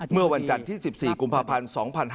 เมื่อวันจันทร์ที่๑๔กุมภาพันธ์๒๕๕๙